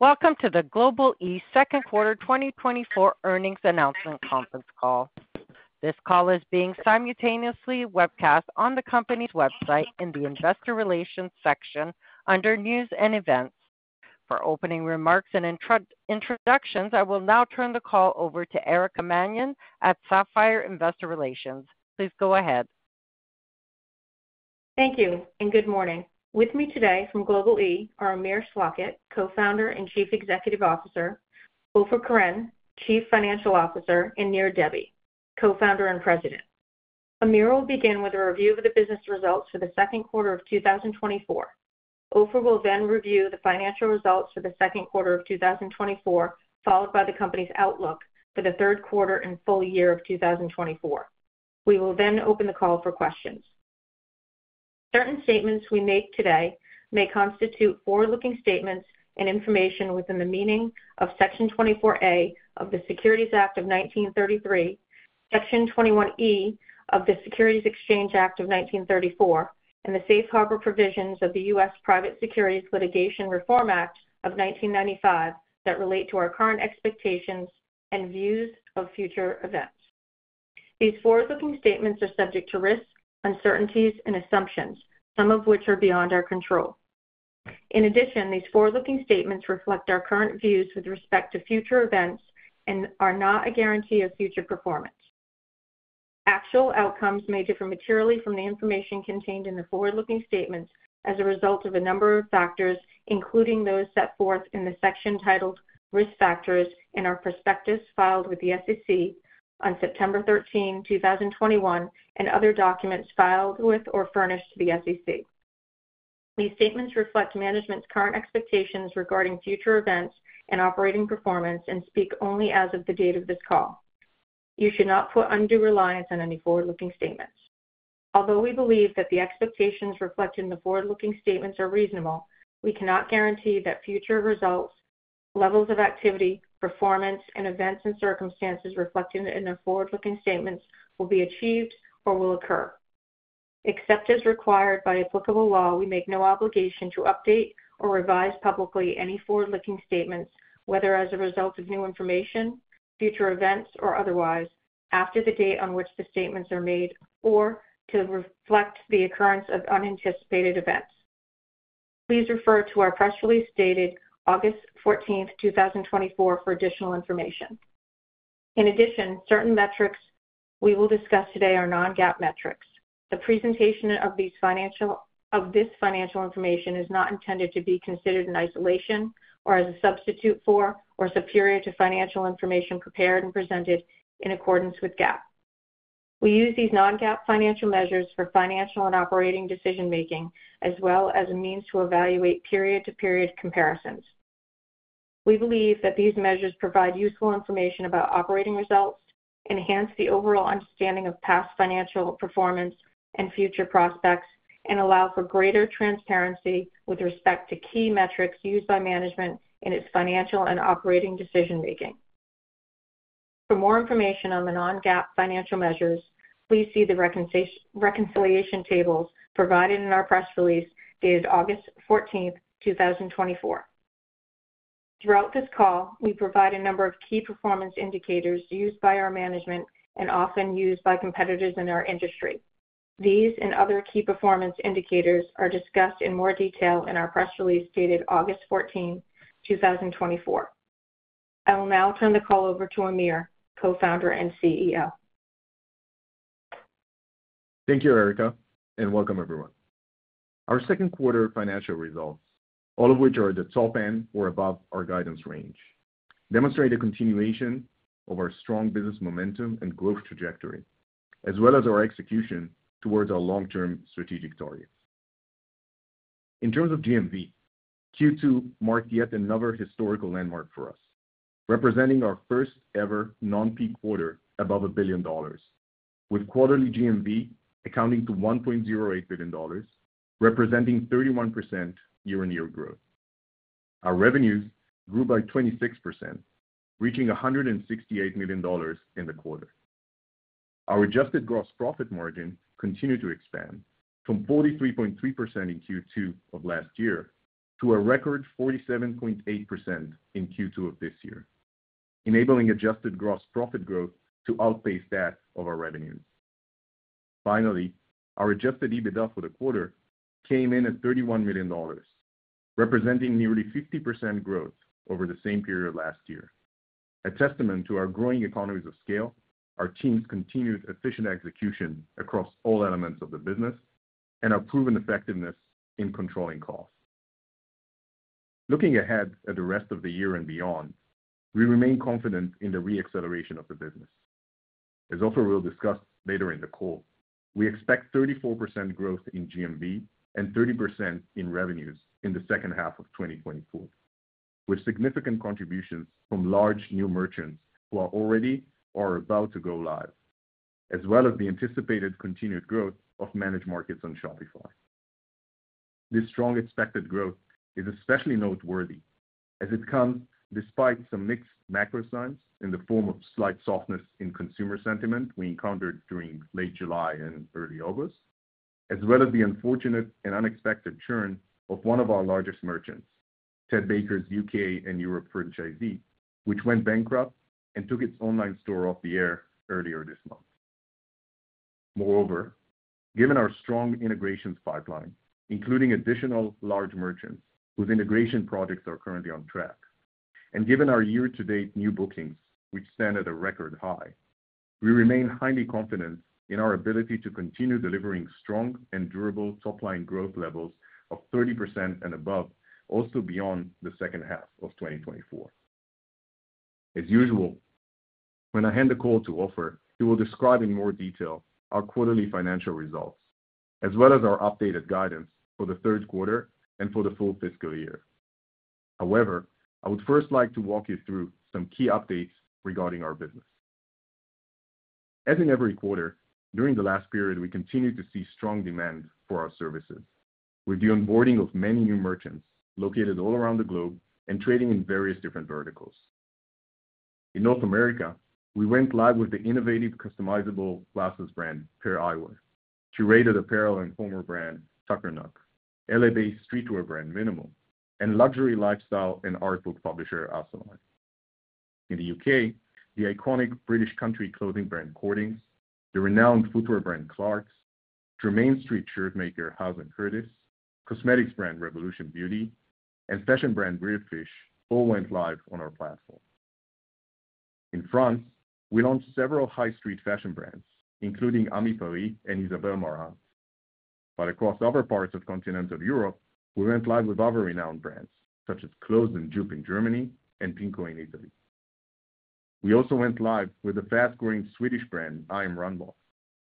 Welcome to the Global-e second quarter 2024 earnings announcement conference call. This call is being simultaneously webcast on the company's website in the Investor Relations section under News and Events. For opening remarks and introductions, I will now turn the call over to Erica Mannion at Sapphire Investor Relations. Please go ahead. Thank you, and good morning. With me today from Global-e are Amir Schlachet, Co-founder and Chief Executive Officer, Ofer Koren, Chief Financial Officer, and Nir Debbi, Co-founder and President. Amir will begin with a review of the business results for the second quarter of 2024. Ofer will then review the financial results for the second quarter of 2024, followed by the company's outlook for the third quarter and full year of 2024. We will then open the call for questions. Certain statements we make today may constitute forward-looking statements and information within the meaning of Section 24A of the Securities Act of 1933, Section 21E of the Securities Exchange Act of 1934, and the safe harbor provisions of the U.S. Private Securities Litigation Reform Act of 1995 that relate to our current expectations and views of future events. These forward-looking statements are subject to risks, uncertainties, and assumptions, some of which are beyond our control. In addition, these forward-looking statements reflect our current views with respect to future events and are not a guarantee of future performance. Actual outcomes may differ materially from the information contained in the forward-looking statements as a result of a number of factors, including those set forth in the section titled Risk Factors in our prospectus filed with the SEC on September 13, 2021, and other documents filed with or furnished to the SEC. These statements reflect management's current expectations regarding future events and operating performance and speak only as of the date of this call. You should not put undue reliance on any forward-looking statements. Although we believe that the expectations reflected in the forward-looking statements are reasonable, we cannot guarantee that future results, levels of activity, performance, and events and circumstances reflected in the forward-looking statements will be achieved or will occur. Except as required by applicable law, we make no obligation to update or revise publicly any forward-looking statements, whether as a result of new information, future events, or otherwise, after the date on which the statements are made or to reflect the occurrence of unanticipated events. Please refer to our press release dated August 14th, 2024, for additional information. In addition, certain metrics we will discuss today are non-GAAP metrics. The presentation of this financial information is not intended to be considered in isolation or as a substitute for or superior to financial information prepared and presented in accordance with GAAP. We use these non-GAAP financial measures for financial and operating decision-making, as well as a means to evaluate period-to-period comparisons. We believe that these measures provide useful information about operating results, enhance the overall understanding of past financial performance and future prospects, and allow for greater transparency with respect to key metrics used by management in its financial and operating decision-making. For more information on the non-GAAP financial measures, please see the reconciliation tables provided in our press release dated August 14, 2024. Throughout this call, we provide a number of key performance indicators used by our management and often used by competitors in our industry. These and other key performance indicators are discussed in more detail in our press release dated August 14, 2024. I will now turn the call over to Amir, Co-founder and CEO. Thank you, Erica, and welcome everyone. Our second quarter financial results, all of which are at the top end or above our guidance range, demonstrate a continuation of our strong business momentum and growth trajectory, as well as our execution towards our long-term strategic targets. In terms of GMV, Q2 marked yet another historical landmark for us, representing our first-ever non-peak quarter above a billion dollars, with quarterly GMV amounting to $1.08 billion, representing 31% year-on-year growth. Our revenues grew by 26%, reaching $168 million in the quarter. Our adjusted gross profit margin continued to expand from 43.3% in Q2 of last year to a record 47.8% in Q2 of this year, enabling adjusted gross profit growth to outpace that of our revenues. Finally, our adjusted EBITDA for the quarter came in at $31 million, representing nearly 50% growth over the same period last year. A testament to our growing economies of scale, our team's continued efficient execution across all elements of the business, and our proven effectiveness in controlling costs. Looking ahead at the rest of the year and beyond, we remain confident in the re-acceleration of the business. As Ofer will discuss later in the call, we expect 34% growth in GMV and 30% in revenues in the second half of 2024, with significant contributions from large new merchants who are already or about to go live, as well as the anticipated continued growth of managed markets on Shopify. This strong expected growth is especially noteworthy as it comes despite some mixed macro signs in the form of slight softness in consumer sentiment we encountered during late July and early August, as well as the unfortunate and unexpected churn of one of our largest merchants, Ted Baker's U.K. and Europe franchise, which went bankrupt and took its online store off the air earlier this month. Moreover, given our strong integrations pipeline, including additional large merchants whose integration projects are currently on track, and given our year-to-date new bookings, which stand at a record high, we remain highly confident in our ability to continue delivering strong and durable top-line growth levels of 30% and above, also beyond the second half of 2024. As usual, when I hand the call to Ofer, he will describe in more detail our quarterly financial results, as well as our updated guidance for the third quarter and for the full fiscal year. However, I would first like to walk you through some key updates regarding our business. As in every quarter, during the last period, we continued to see strong demand for our services with the onboarding of many new merchants located all around the globe and trading in various different verticals. In North America, we went live with the innovative, customizable glasses brand, Pair Eyewear, curated apparel and former brand, Tuckernuck, L.A.-based streetwear brand, mnml, and luxury lifestyle and art book publisher, Assouline. In the UK, the iconic British country clothing brand, Cordings, the renowned footwear brand, Clarks, Jermyn Street shirt maker, Hawes & Curtis, cosmetics brand, Revolution Beauty, and fashion brand, Weird Fish, all went live on our platform. In France, we launched several high street fashion brands, including Ami Paris and Isabel Marant. But across other parts of continent of Europe, we went live with other renowned brands such as Closed and JOOP! in Germany and PINKO in Italy. We also went live with a fast-growing Swedish brand, IAMRUNBOX,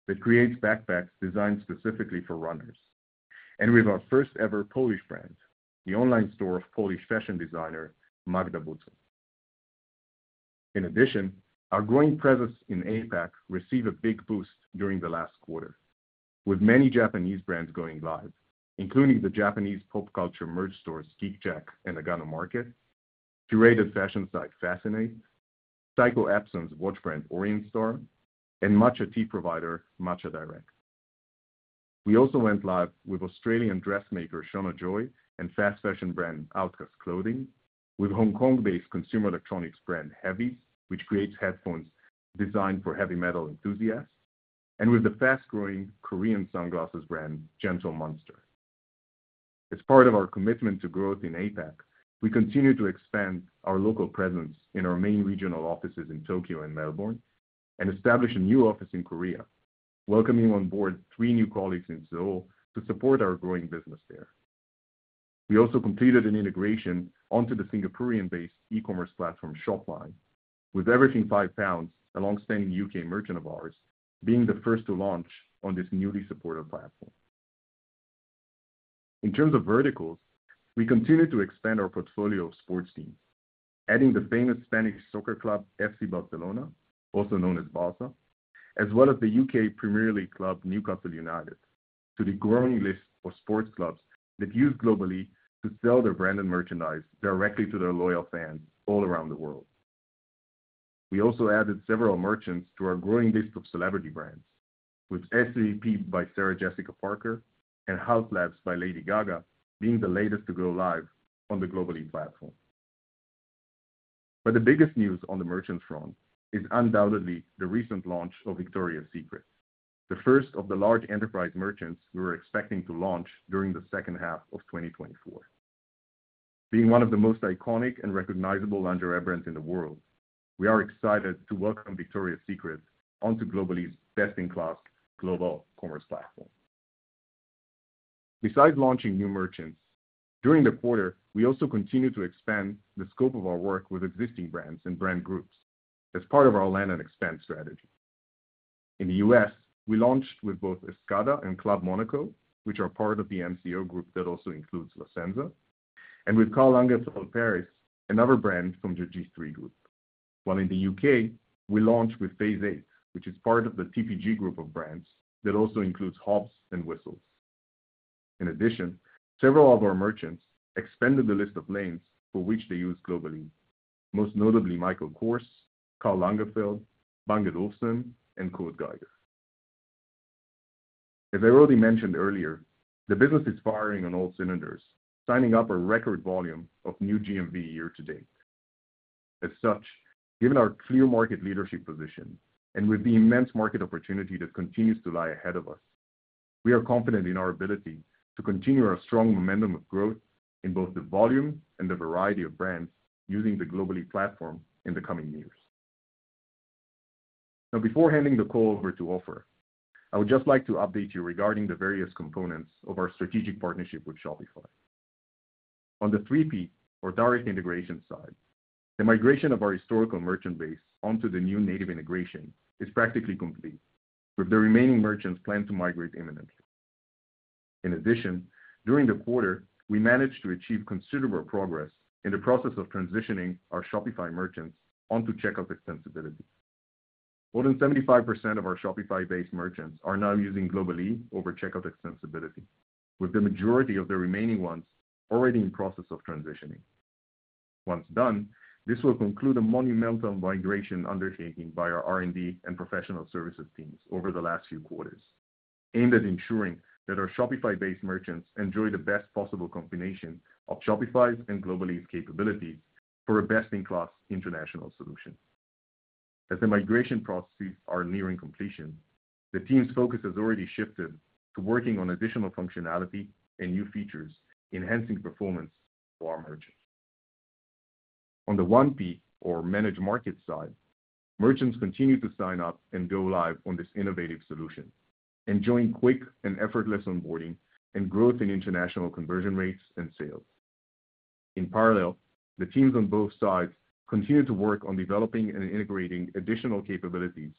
that creates backpacks designed specifically for runners, and with our first-ever Polish brand, the online store of Polish fashion designer, Magda Butrym. In addition, our growing presence in APAC received a big boost during the last quarter, with many Japanese brands going live, including the Japanese pop culture merch stores, GeekJack and Nagano Market, curated fashion site, Fascinate, Seiko Epson's watch brand, Orient Star, and matcha tea provider, Matcha Direct. We also went live with Australian dressmaker, Shona Joy, and fast fashion brand, Outcast Clothing, with Hong Kong-based consumer electronics brand, Heavys, which creates headphones designed for heavy metal enthusiasts, and with the fast-growing Korean sunglasses brand, Gentle Monster. As part of our commitment to growth in APAC, we continue to expand our local presence in our main regional offices in Tokyo and Melbourne, and establish a new office in Korea, welcoming on board three new colleagues in Seoul to support our growing business there. We also completed an integration onto the Singaporean-based e-commerce platform, Shopline, with Everything Five Pounds, a long-standing U.K. merchant of ours, being the first to launch on this newly supported platform. In terms of verticals, we continued to expand our portfolio of sports teams, adding the famous Spanish soccer club, FC Barcelona, also known as Barça, as well as the U.K. Premier League club, Newcastle United, to the growing list of sports clubs that use Global-e to sell their branded merchandise directly to their loyal fans all around the world. We also added several merchants to our growing list of celebrity brands, with SJP by Sarah Jessica Parker and Haus Labs by Lady Gaga being the latest to go live on the Global-e platform. But the biggest news on the merchant front is undoubtedly the recent launch of Victoria's Secret, the first of the large enterprise merchants we were expecting to launch during the second half of 2024. Being one of the most iconic and recognizable lingerie brands in the world, we are excited to welcome Victoria's Secret onto Global-e's best-in-class global commerce platform. Besides launching new merchants, during the quarter, we also continued to expand the scope of our work with existing brands and brand groups as part of our land and expand strategy. In the U.S., we launched with both Escada and Club Monaco, which are part of the MCO group that also includes La Senza, and with Karl Lagerfeld Paris, another brand from the G-III group. While in the UK, we launched with Phase Eight, which is part of the TFG group of brands that also includes Hobbs and Whistles. In addition, several of our merchants expanded the list of lanes for which they use Global-e, most notably Michael Kors, Karl Lagerfeld, Bang & Olufsen, and Kurt Geiger. As I already mentioned earlier, the business is firing on all cylinders, signing up a record volume of new GMV year to date. As such, given our clear market leadership position and with the immense market opportunity that continues to lie ahead of us, we are confident in our ability to continue our strong momentum of growth in both the volume and the variety of brands using the Global-e platform in the coming years. Now, before handing the call over to Ofer, I would just like to update you regarding the various components of our strategic partnership with Shopify. On the 3P or direct integration side, the migration of our historical merchant base onto the new native integration is practically complete, with the remaining merchants planned to migrate imminently. In addition, during the quarter, we managed to achieve considerable progress in the process of transitioning our Shopify merchants onto Checkout Extensibility. More than 75% of our Shopify-based merchants are now using Global-e over Checkout Extensibility, with the majority of the remaining ones already in process of transitioning.... Once done, this will conclude a monumental migration undertaking by our R&D and professional services teams over the last few quarters, aimed at ensuring that our Shopify-based merchants enjoy the best possible combination of Shopify's and Global-e's capabilities for a best-in-class international solution. As the migration processes are nearing completion, the team's focus has already shifted to working on additional functionality and new features, enhancing performance for our merchants. On the 1P or Managed Markets side, merchants continue to sign up and go live on this innovative solution, enjoying quick and effortless onboarding and growth in international conversion rates and sales. In parallel, the teams on both sides continue to work on developing and integrating additional capabilities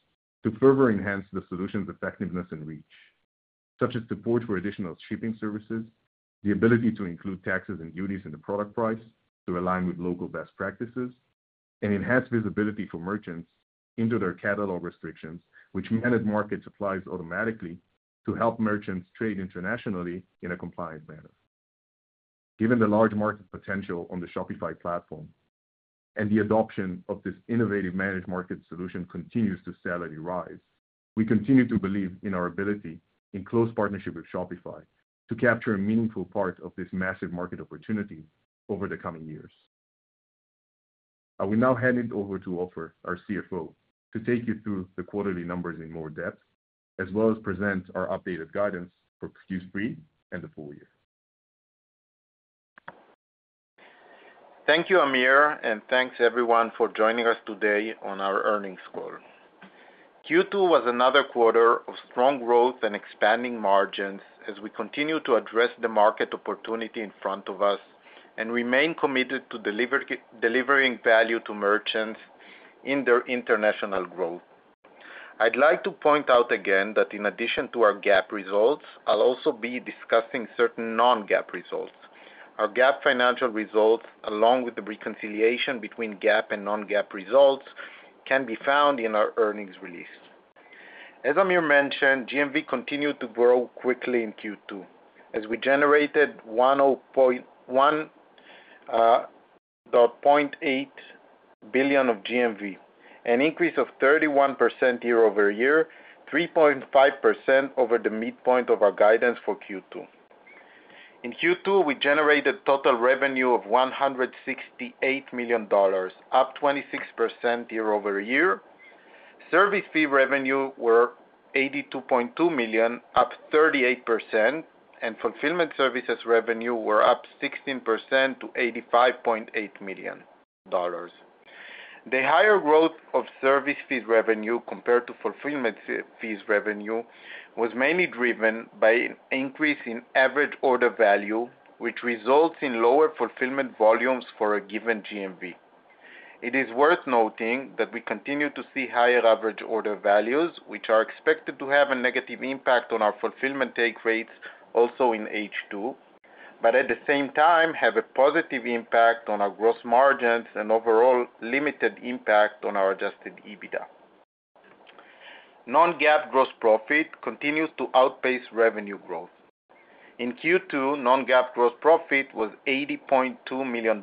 to further enhance the solution's effectiveness and reach, such as support for additional shipping services, the ability to include taxes and duties in the product price to align with local best practices, and enhanced visibility for merchants into their catalog restrictions, which Managed Markets applies automatically to help merchants trade internationally in a compliant manner. Given the large market potential on the Shopify platform, and the adoption of this innovative Managed Market solution continues to steadily rise, we continue to believe in our ability, in close partnership with Shopify, to capture a meaningful part of this massive market opportunity over the coming years. I will now hand it over to Ofer, our CFO, to take you through the quarterly numbers in more depth, as well as present our updated guidance for Q3 and the full year. Thank you, Amir, and thanks everyone for joining us today on our earnings call. Q2 was another quarter of strong growth and expanding margins as we continue to address the market opportunity in front of us and remain committed to delivering value to merchants in their international growth. I'd like to point out again that in addition to our GAAP results, I'll also be discussing certain non-GAAP results. Our GAAP financial results, along with the reconciliation between GAAP and non-GAAP results, can be found in our earnings release. As Amir mentioned, GMV continued to grow quickly in Q2, as we generated $1.8 billion of GMV, an increase of 31% year-over-year, 3.5% over the midpoint of our guidance for Q2. In Q2, we generated total revenue of $168 million, up 26% year over year. Service fee revenue were $82.2 million, up 38%, and fulfillment services revenue were up 16% to $85.8 million. The higher growth of service fees revenue compared to fulfillment fees revenue was mainly driven by an increase in average order value, which results in lower fulfillment volumes for a given GMV. It is worth noting that we continue to see higher average order values, which are expected to have a negative impact on our fulfillment take rates also in H2, but at the same time, have a positive impact on our gross margins and overall limited impact on our Adjusted EBITDA. Non-GAAP gross profit continues to outpace revenue growth. In Q2, non-GAAP gross profit was $80.2 million,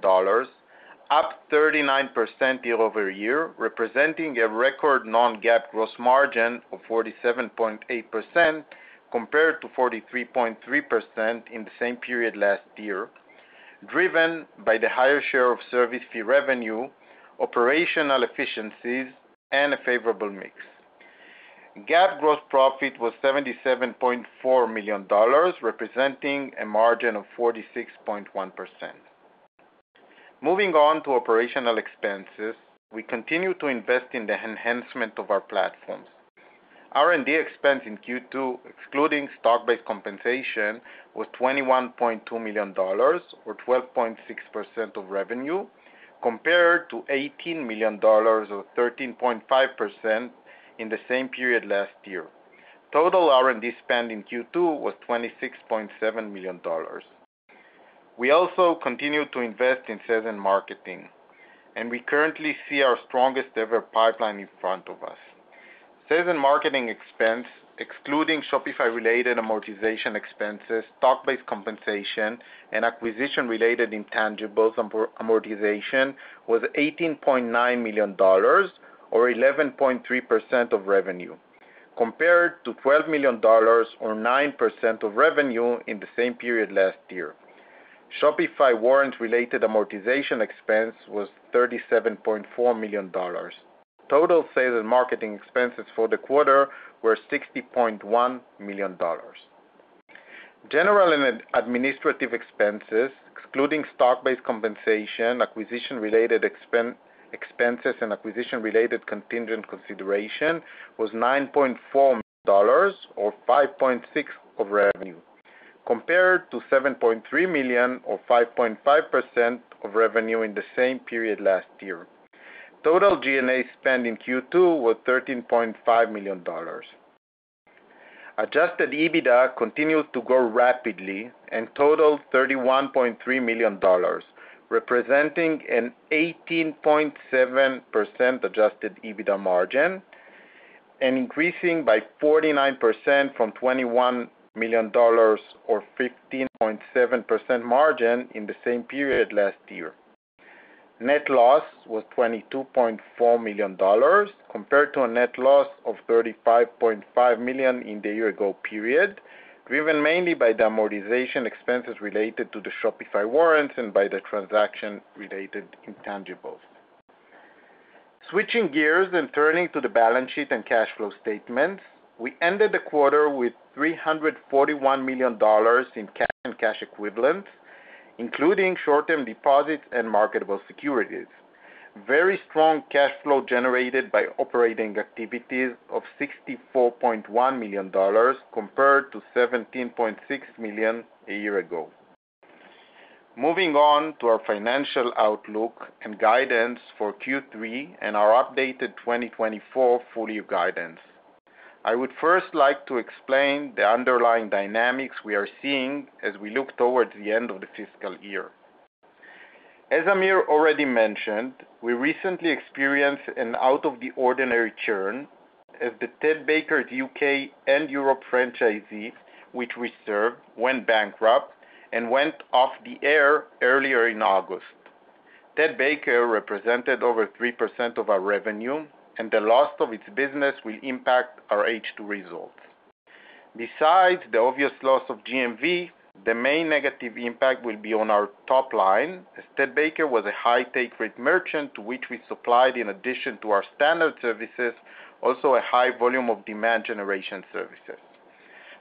up 39% year-over-year, representing a record non-GAAP gross margin of 47.8%, compared to 43.3% in the same period last year, driven by the higher share of service fee revenue, operational efficiencies, and a favorable mix. GAAP gross profit was $77.4 million, representing a margin of 46.1%. Moving on to operational expenses, we continue to invest in the enhancement of our platforms. R&D expense in Q2, excluding stock-based compensation, was $21.2 million, or 12.6% of revenue, compared to $18 million or 13.5% in the same period last year. Total R&D spend in Q2 was $26.7 million. We also continued to invest in sales and marketing, and we currently see our strongest-ever pipeline in front of us. Sales and marketing expense, excluding Shopify-related amortization expenses, stock-based compensation, and acquisition-related intangibles amortization, was $18.9 million, or 11.3% of revenue, compared to $12 million or 9% of revenue in the same period last year. Shopify warrant-related amortization expense was $37.4 million. Total sales and marketing expenses for the quarter were $60.1 million. General and administrative expenses, excluding stock-based compensation, acquisition-related expenses, and acquisition-related contingent consideration, was $9.4 million or 5.6% of revenue, compared to $7.3 million or 5.5% of revenue in the same period last year. Total G&A spend in Q2 was $13.5 million. Adjusted EBITDA continued to grow rapidly and totaled $31.3 million, representing an 18.7% adjusted EBITDA margin... and increasing by 49% from $21 million, or 15.7% margin in the same period last year. Net loss was $22.4 million, compared to a net loss of $35.5 million in the year-ago period, driven mainly by the amortization expenses related to the Shopify warrants and by the transaction-related intangibles. Switching gears and turning to the balance sheet and cash flow statement, we ended the quarter with $341 million in cash and cash equivalents, including short-term deposits and marketable securities. Very strong cash flow generated by operating activities of $64.1 million, compared to $17.6 million a year ago. Moving on to our financial outlook and guidance for Q3 and our updated 2024 full-year guidance. I would first like to explain the underlying dynamics we are seeing as we look towards the end of the fiscal year. As Amir already mentioned, we recently experienced an out-of-the-ordinary churn as the Ted Baker's UK and Europe franchisees, which we served, went bankrupt and went off the air earlier in August. Ted Baker represented over 3% of our revenue, and the loss of its business will impact our H2 results. Besides the obvious loss of GMV, the main negative impact will be on our top line, as Ted Baker was a high take-rate merchant, to which we supplied, in addition to our standard services, also a high volume of demand generation services.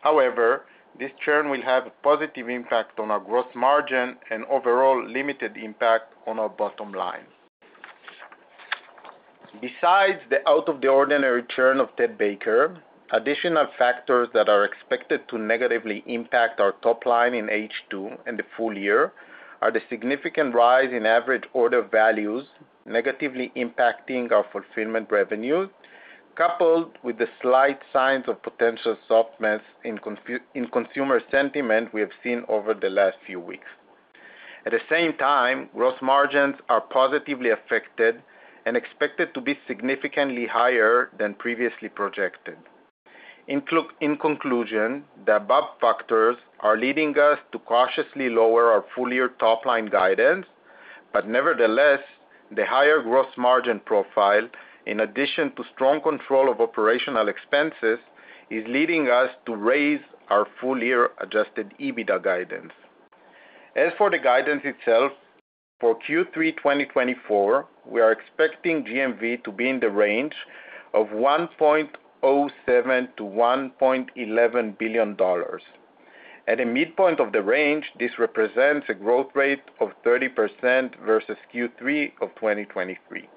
However, this churn will have a positive impact on our gross margin and overall limited impact on our bottom line. Besides the out-of-the-ordinary churn of Ted Baker, additional factors that are expected to negatively impact our top line in H2 and the full year are the significant rise in average order values, negatively impacting our fulfillment revenues, coupled with the slight signs of potential softness in consumer sentiment we have seen over the last few weeks. At the same time, gross margins are positively affected and expected to be significantly higher than previously projected. In conclusion, the above factors are leading us to cautiously lower our full-year top-line guidance, but nevertheless, the higher gross margin profile, in addition to strong control of operational expenses, is leading us to raise our full-year adjusted EBITDA guidance. As for the guidance itself, for Q3 2024, we are expecting GMV to be in the range of $1.07 billion-$1.11 billion. At a midpoint of the range, this represents a growth rate of 30% versus Q3 of 2023.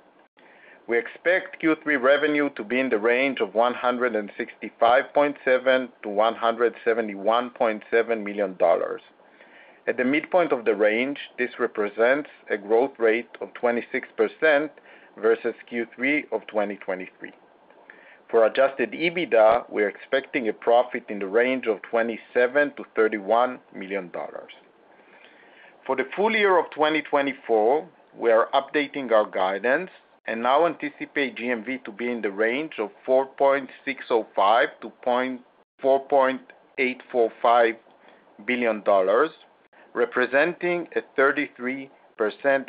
We expect Q3 revenue to be in the range of $165.7 million-$171.7 million. At the midpoint of the range, this represents a growth rate of 26% versus Q3 of 2023. For adjusted EBITDA, we are expecting a profit in the range of $27 million-$31 million. For the full year of 2024, we are updating our guidance and now anticipate GMV to be in the range of $4.605 billion-$4.845 billion, representing 33%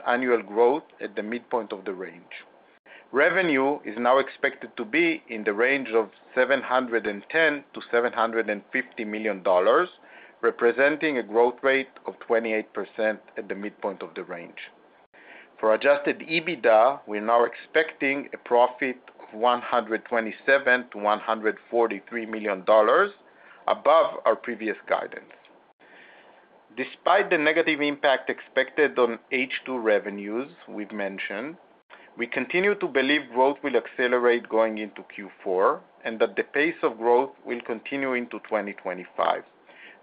annual growth at the midpoint of the range. Revenue is now expected to be in the range of $710 million-$750 million, representing a growth rate of 28% at the midpoint of the range. For adjusted EBITDA, we are now expecting a profit of $127 million-$143 million, above our previous guidance. Despite the negative impact expected on H2 revenues we've mentioned, we continue to believe growth will accelerate going into Q4 and that the pace of growth will continue into 2025,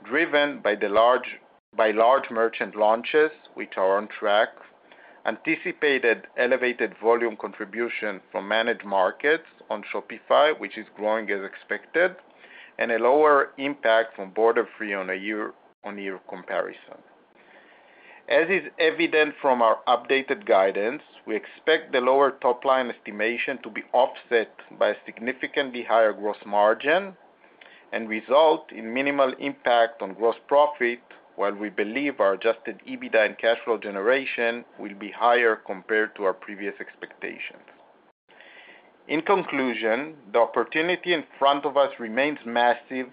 driven by the large merchant launches, which are on track, anticipated elevated volume contribution from Managed Markets on Shopify, which is growing as expected, and a lower impact from Borderfree on a year-on-year comparison. As is evident from our updated guidance, we expect the lower top-line estimation to be offset by a significantly higher gross margin and result in minimal impact on gross profit, while we believe our Adjusted EBITDA and cash flow generation will be higher compared to our previous expectations. In conclusion, the opportunity in front of us remains massive, and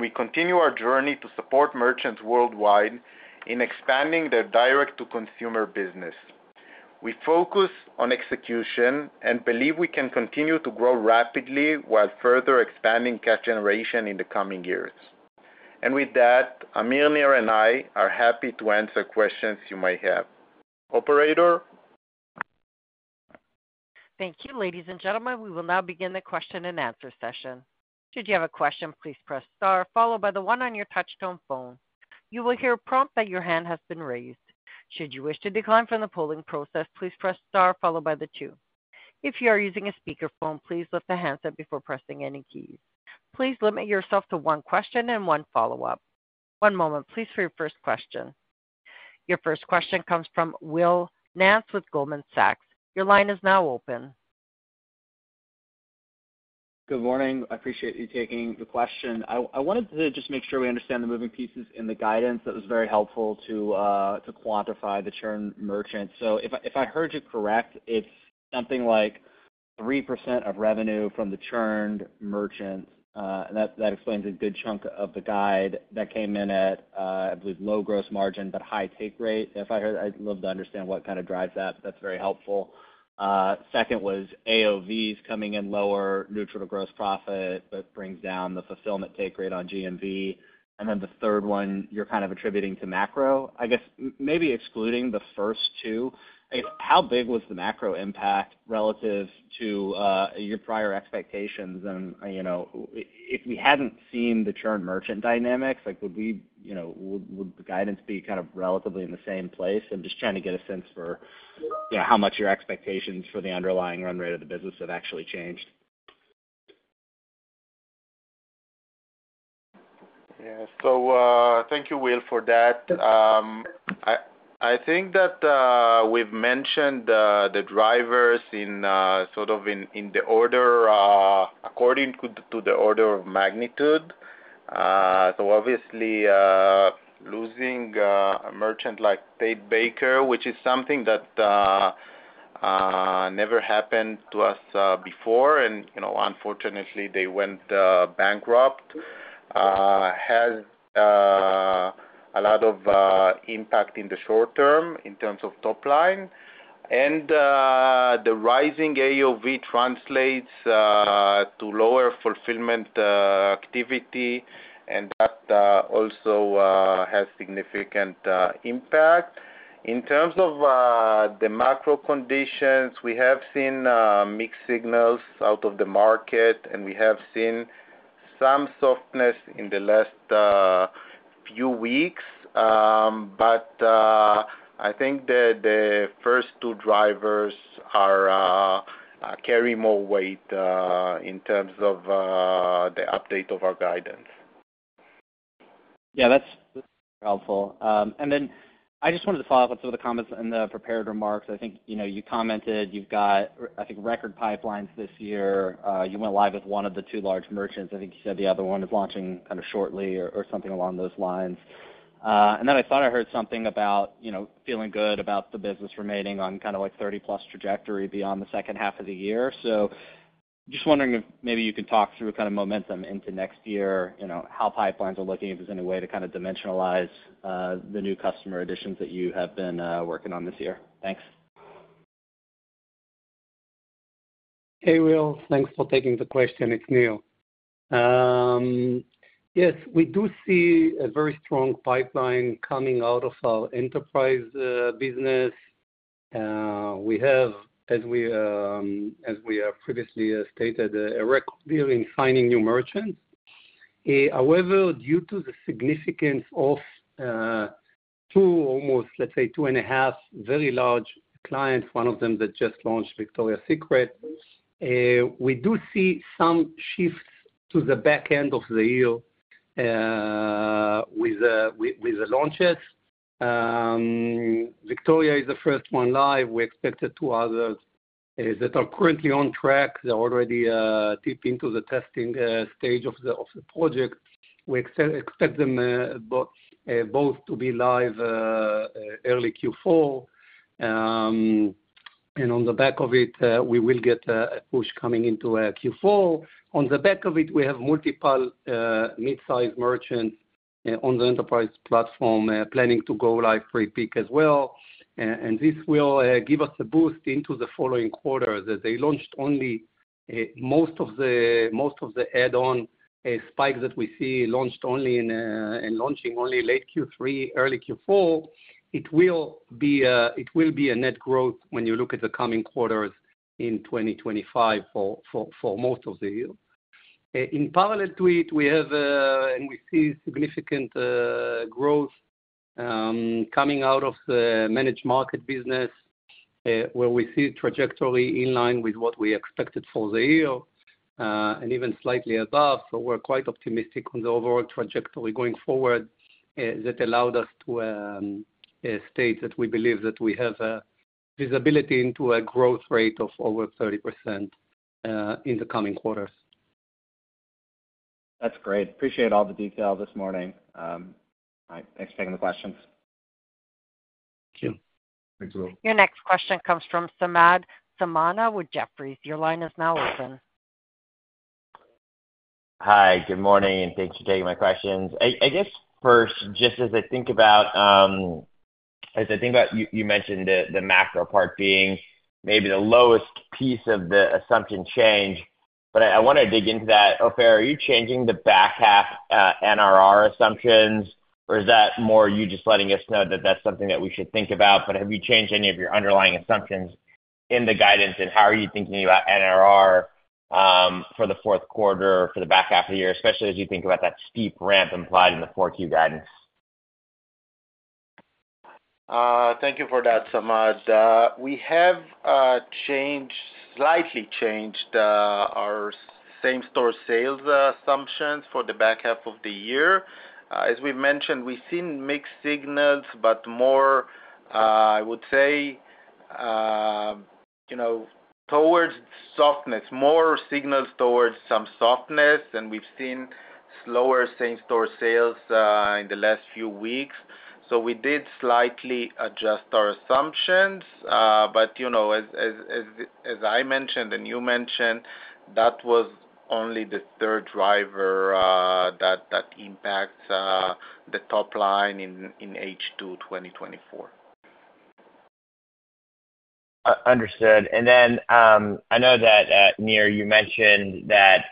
we continue our journey to support merchants worldwide in expanding their direct-to-consumer business. We focus on execution and believe we can continue to grow rapidly while further expanding cash generation in the coming years. With that, Amir, Nir, and I are happy to answer questions you might have. Operator? Thank you, ladies and gentlemen. We will now begin the question-and-answer session. Should you have a question, please press star followed by the one on your touchtone phone. You will hear a prompt that your hand has been raised. Should you wish to decline from the polling process, please press star followed by the two. If you are using a speakerphone, please lift the handset before pressing any keys. Please limit yourself to one question and one follow-up. One moment, please, for your first question.... Your first question comes from Will Nance with Goldman Sachs. Your line is now open. Good morning. I appreciate you taking the question. I, I wanted to just make sure we understand the moving pieces in the guidance. That was very helpful to quantify the churn merchant. So if I, if I heard you correct, it's something like 3% of revenue from the churned merchant, and that, that explains a good chunk of the guide that came in at, I believe, low gross margin, but high take rate. If I heard. I'd love to understand what kind of drives that. That's very helpful. Second was, AOV is coming in lower, neutral to gross profit, but brings down the fulfillment take rate on GMV. And then the third one, you're kind of attributing to macro. I guess, maybe excluding the first two, how big was the macro impact relative to your prior expectations? You know, if we hadn't seen the churn merchant dynamics, like, would we, you know, would the guidance be kind of relatively in the same place? I'm just trying to get a sense for, yeah, how much your expectations for the underlying run rate of the business have actually changed. Yeah. So, thank you, Will, for that. I think that we've mentioned the drivers in sort of the order according to the order of magnitude. So obviously, losing a merchant like Ted Baker, which is something that never happened to us before, and, you know, unfortunately, they went bankrupt, has a lot of impact in the short term in terms of top line. And the rising AOV translates to lower fulfillment activity, and that also has significant impact. In terms of the macro conditions, we have seen mixed signals out of the market, and we have seen some softness in the last few weeks. But I think that the first two drivers carry more weight in terms of the update of our guidance. Yeah, that's, that's helpful. And then I just wanted to follow up on some of the comments in the prepared remarks. I think, you know, you commented you've got, I think, record pipelines this year. You went live with one of the two large merchants. I think you said the other one is launching kind of shortly or, or something along those lines. And then I thought I heard something about, you know, feeling good about the business remaining on kind of like 30+ trajectory beyond the second half of the year. So just wondering if maybe you could talk through kind of momentum into next year, you know, how pipelines are looking, if there's any way to kind of dimensionalize the new customer additions that you have been working on this year. Thanks. Hey, Will. Thanks for taking the question. It's Neil. Yes, we do see a very strong pipeline coming out of our enterprise business. We have, as we have previously stated, a record deal in signing new merchants. However, due to the significance of 2, almost, let's say, 2.5 very large clients, one of them that just launched, Victoria's Secret, we do see some shifts to the back end of the year with the launches. Victoria is the first one live. We expect the two others that are currently on track. They're already deep into the testing stage of the project. We expect them both to be live early Q4. And on the back of it, we will get a, a push coming into Q4. On the back of it, we have multiple, mid-sized merchants, on the enterprise platform, planning to go live pre-peak as well. And this will, give us a boost into the following quarter, that they launched only, most of the, most of the add-on, spike that we see, launched only in, in launching only late Q3, early Q4. It will be a, it will be a net growth when you look at the coming quarters in 2025 for, for, for most of the year. In parallel to it, we have, and we see significant growth coming out of the managed market business, where we see trajectory in line with what we expected for the year, and even slightly above. So we're quite optimistic on the overall trajectory going forward, that allowed us to state that we believe that we have a visibility into a growth rate of over 30% in the coming quarters. That's great. Appreciate all the detail this morning. Thanks for taking the questions. Thank you. Thanks, Will. Your next question comes from Samad Samana with Jefferies. Your line is now open. Hi, good morning, and thanks for taking my questions. I, I guess first, just as I think about, as I think about you, you mentioned the, the macro part being maybe the lowest piece of the assumption change, but I, I want to dig into that. Ofer, are you changing the back half, NRR assumptions, or is that more you just letting us know that that's something that we should think about? But have you changed any of your underlying assumptions in the guidance, and how are you thinking about NRR, for the fourth quarter, for the back half of the year, especially as you think about that steep ramp implied in the four-Q guidance? Thank you for that, Samad. We have slightly changed our same-store sales assumptions for the back half of the year. As we've mentioned, we've seen mixed signals, but more, I would say, you know, towards softness, more signals towards some softness, and we've seen slower same-store sales in the last few weeks. So we did slightly adjust our assumptions, but, you know, as I mentioned and you mentioned, that was only the third driver that impacts the top line in H2 2024. Understood. Then, I know that Nir, you mentioned that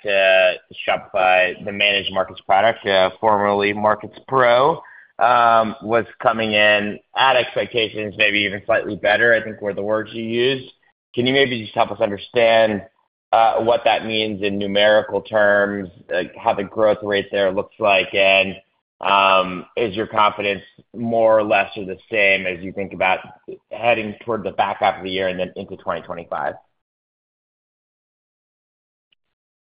Shopify, the Managed Markets product, formerly Markets Pro, was coming in at expectations, maybe even slightly better, I think were the words you used. Can you maybe just help us understand what that means in numerical terms, like how the growth rate there looks like? Is your confidence more or less or the same as you think about heading toward the back half of the year and then into 2025?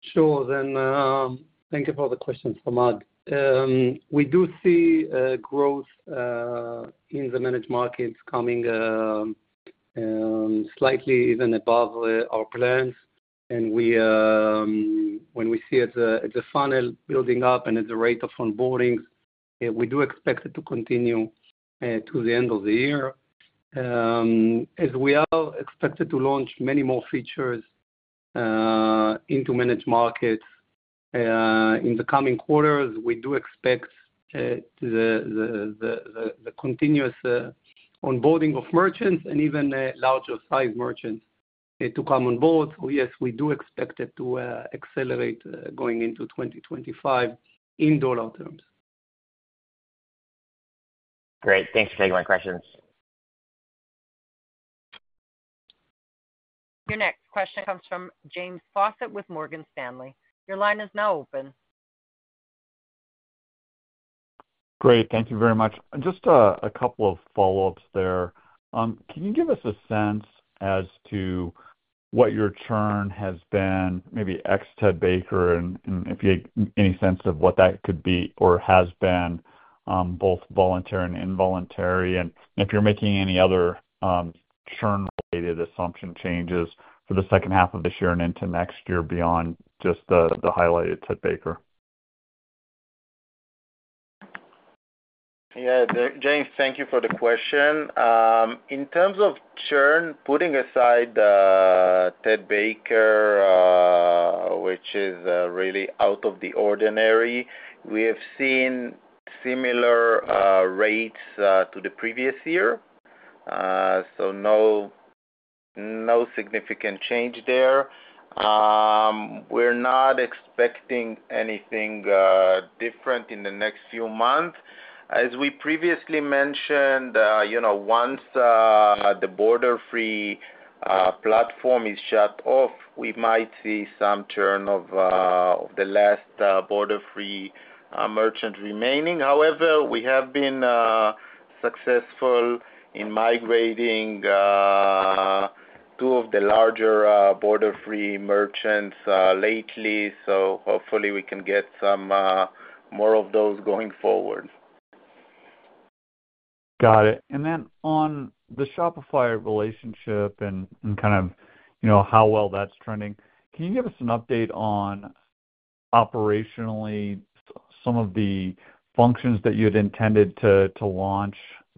Sure, then, thank you for the question, Samad. We do see growth in the Managed Markets coming slightly even above our plans. When we see the funnel building up and at the rate of onboarding, we do expect it to continue to the end of the year. As we are expected to launch many more features into Managed Markets in the coming quarters, we do expect the continuous onboarding of merchants and even larger size merchants to come on board. So yes, we do expect it to accelerate going into 2025 in dollar terms. Great. Thanks for taking my questions. Your next question comes from James Faucette with Morgan Stanley. Your line is now open. Great. Thank you very much. Just a couple of follow-ups there. Can you give us a sense as to what your churn has been, maybe ex Ted Baker, and if you have any sense of what that could be or has been, both voluntary and involuntary, and if you're making any other churn-related assumption changes for the second half of this year and into next year beyond just the highlighted Ted Baker? Yeah, James, thank you for the question. In terms of churn, putting aside Ted Baker, which is really out of the ordinary, we have seen similar rates to the previous year. So no, no significant change there. We're not expecting anything different in the next few months. As we previously mentioned, you know, once the Borderfree platform is shut off, we might see some churn of the last Borderfree merchant remaining. However, we have been successful in migrating two of the larger Borderfree merchants lately, so hopefully we can get some more of those going forward. Got it. And then on the Shopify relationship and, and kind of, you know, how well that's trending, can you give us an update on operationally some of the functions that you had intended to, to launch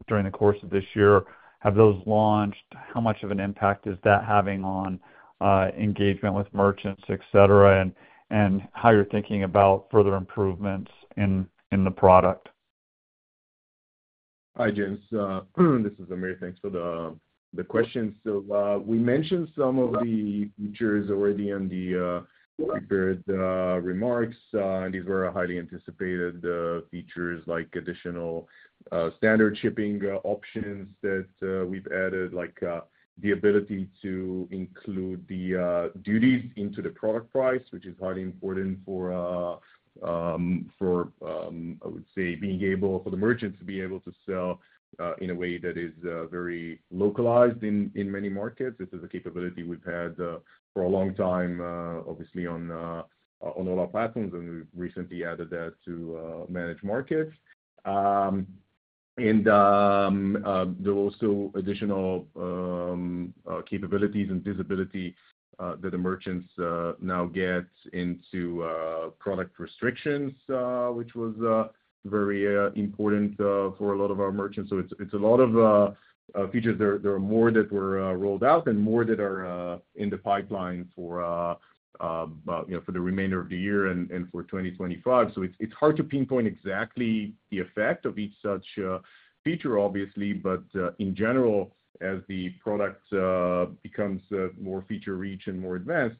during the course of this year? Have those launched? How much of an impact is that having on, engagement with merchants, et cetera, and, and how you're thinking about further improvements in, in the product? Hi, James, this is Amir. Thanks for the question. So, we mentioned some of the features already in the prepared remarks. These were highly anticipated features, like additional standard shipping options that we've added, like the ability to include the duties into the product price, which is highly important for, I would say, being able for the merchants to be able to sell in a way that is very localized in many markets. This is a capability we've had for a long time, obviously on all our platforms, and we've recently added that to Managed Markets. And there were also additional capabilities and visibility that the merchants now get into product restrictions, which was very important for a lot of our merchants. So it's a lot of features. There are more that were rolled out and more that are in the pipeline for, you know, for the remainder of the year and for 2025. So it's hard to pinpoint exactly the effect of each such feature, obviously, but in general, as the product becomes more feature-rich and more advanced,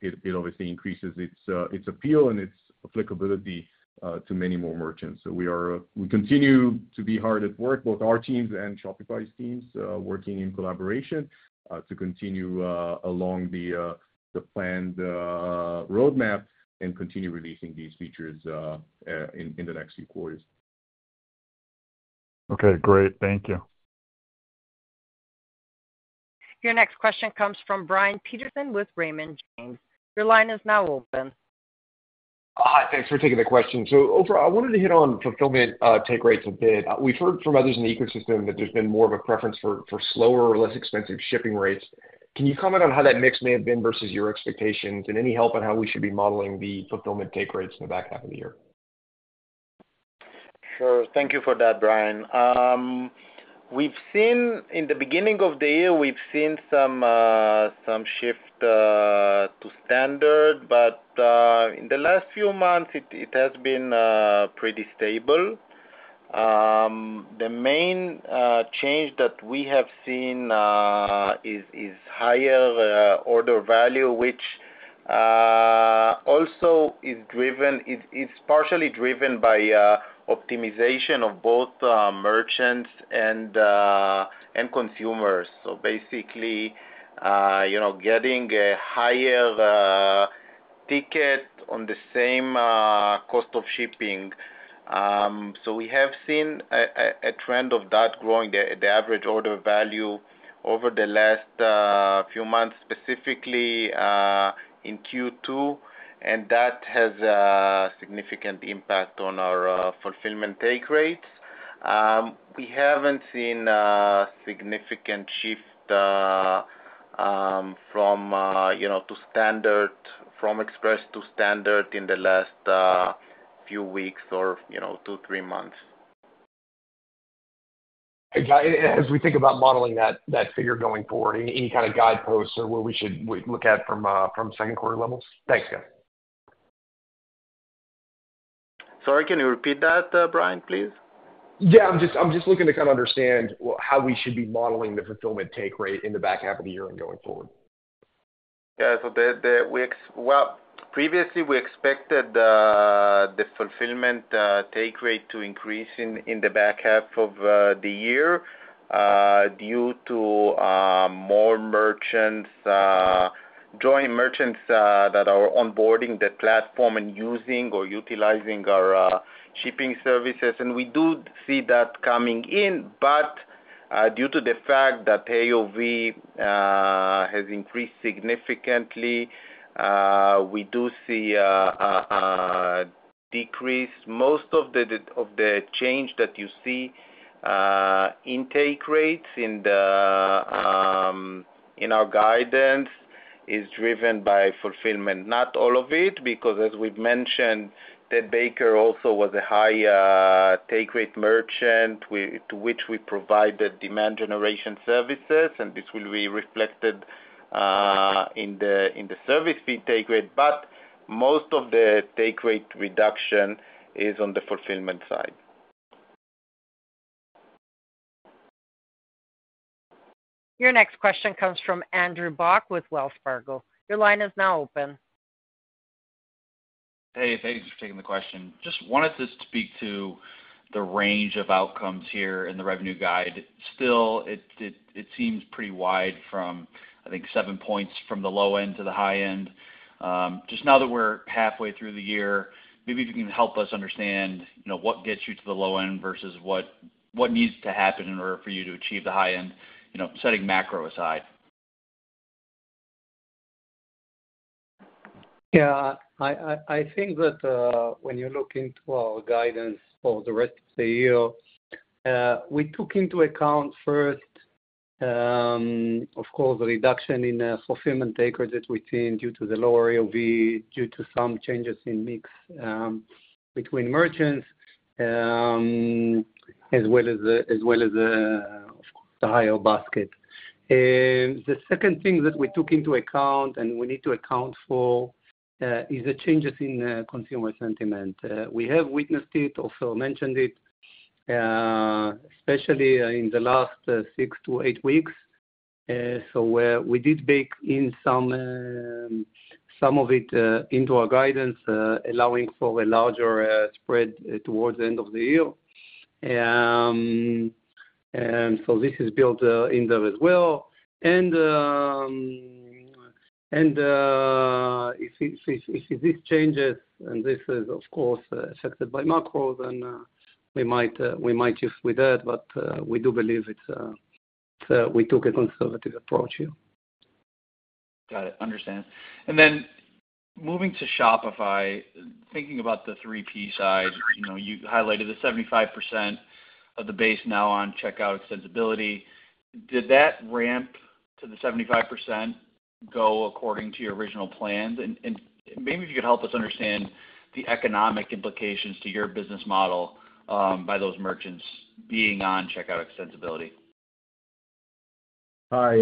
it obviously increases its appeal and its applicability to many more merchants. We continue to be hard at work, both our teams and Shopify's teams, working in collaboration, to continue along the planned roadmap, and continue releasing these features, in the next few quarters. Okay, great. Thank you. Your next question comes from Brian Peterson with Raymond James. Your line is now open. Hi, thanks for taking the question. So overall, I wanted to hit on fulfillment, take rates a bit. We've heard from others in the ecosystem that there's been more of a preference for slower or less expensive shipping rates. Can you comment on how that mix may have been versus your expectations, and any help on how we should be modeling the fulfillment take rates in the back half of the year? Sure. Thank you for that, Brian. We've seen-- in the beginning of the year, we've seen some some shift to standard, but in the last few months, it it has been pretty stable. The main change that we have seen is higher order value, which also is driven-- is partially driven by optimization of both merchants and consumers. So basically, you know, getting a higher ticket on the same cost of shipping. So we have seen a trend of that growing, the average order value over the last few months, specifically in Q2, and that has a significant impact on our fulfillment take rates. We haven't seen a significant shift from you know, to standard... from express to standard in the last few weeks or, you know, two, three months. As we think about modeling that, that figure going forward, any, any kind of guideposts or where we should look at from, from second quarter levels? Thanks, guys. Sorry, can you repeat that, Brian, please? Yeah, I'm just, I'm just looking to kind of understand how we should be modeling the fulfillment take rate in the back half of the year and going forward? Yeah, so the-- Well, previously, we expected the fulfillment take rate to increase in the back half of the year due to more merchants, joint merchants, that are onboarding the platform and using or utilizing our shipping services. And we do see that coming in, but due to the fact that AOV has increased significantly, we do see a decrease. Most of the change that you see in take rates in our guidance is driven by fulfillment. Not all of it, because as we've mentioned, Ted Baker also was a high take rate merchant to which we provided demand generation services, and this will be reflected in the service fee take rate. Most of the take rate reduction is on the fulfillment side. Your next question comes from Andrew Bauch with Wells Fargo. Your line is now open. Hey, thank you for taking the question. Just wanted to speak to the range of outcomes here in the revenue guide. Still, it seems pretty wide from, I think, 7 points from the low end to the high end. Just now that we're halfway through the year, maybe if you can help us understand, you know, what gets you to the low end versus what needs to happen in order for you to achieve the high end, you know, setting macro aside? Yeah, I think that, when you look into our guidance for the rest of the year, we took into account first, of course, the reduction in fulfillment take rates that we've seen due to the lower AOV, due to some changes in mix, between merchants, as well as the higher basket. The second thing that we took into account, and we need to account for, is the changes in consumer sentiment. We have witnessed it, also mentioned it, especially in the last 6-8 weeks. So we did bake in some of it into our guidance, allowing for a larger spread towards the end of the year. And so this is built in there as well. And if this changes, and this is, of course, affected by macro, then we might adjust with that, but we do believe it's we took a conservative approach here. Got it. Understand. And then moving to Shopify, thinking about the 3P side, you know, you highlighted the 75% of the base now on checkout extensibility. Did that ramp to the 75% go according to your original plans? And maybe if you could help us understand the economic implications to your business model by those merchants being on checkout extensibility. Hi,